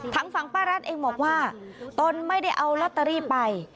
ทางฝั่งป้ารัฐเองบอกว่าตนไม่ได้เอาลอตเตอรี่ไป